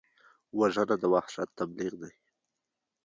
وژنه د وحشت تبلیغ دی